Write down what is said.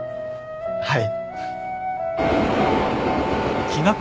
はい。